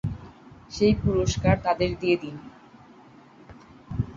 সেই পুরস্কার তাঁদের দিয়ে দেন।